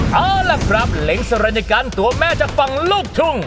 เอาล่ะครับเล้งสรรยกันตัวแม่จากฝั่งลูกทุ่ง